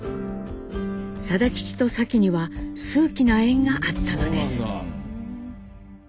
定吉とサキには数奇な縁があったのです。